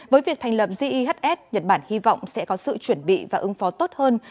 với việc thành lập gehs nhật bản hy vọng sẽ có sự chuẩn bị và ứng phó tốt hơn